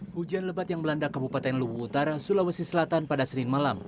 hujan lebat yang melanda kabupaten lubu utara sulawesi selatan pada senin malam